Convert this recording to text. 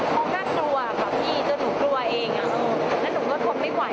มองก็กลัวกับพี่จนหนูกลัวเองอ่ะอืมแล้วหนูก็ต้องไม่ไหวอ่ะ